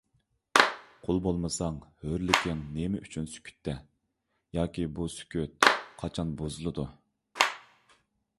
قۇل بولمىساڭ، ھۆرلۈكىڭ نېمە ئۈچۈن سۈكۈتتە؟! ياكى بۇ سۈكۈت قاچان بۇزۇلىدۇ؟